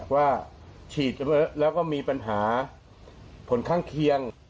ว่าฉีดแล้วก็มีปัญหาผลข้างเคียง